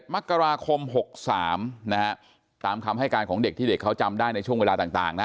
มกราคม๖๓นะฮะตามคำให้การของเด็กที่เด็กเขาจำได้ในช่วงเวลาต่างนะ